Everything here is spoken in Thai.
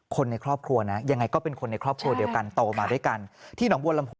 คนในครอบครัวนะยังไงก็เป็นคนในครอบครัวเดียวกันโตมาด้วยกัน